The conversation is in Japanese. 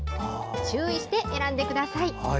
注意して選んでください。